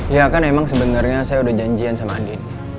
ya kan emang sebenarnya saya udah janjian sama adik